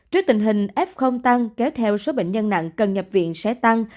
trước tình hình f tăng kéo theo số bệnh nhân nặng cần nhập viện sẽ tăng